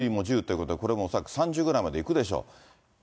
ホームランもトップ、盗塁も１０ということで、これも恐らく３０ぐらいまでいくでしょう。